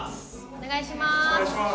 お願いします。